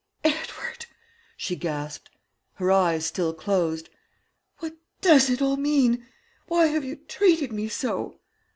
"'Edward!' she gasped, her eyes still closed. 'What does it all mean? Why have you treated me so?'